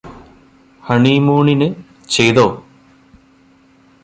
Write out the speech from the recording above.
ഹണിമൂണിന് ചെയ്തോ